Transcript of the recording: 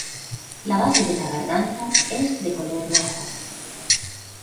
La base de la garganta es de color rojo.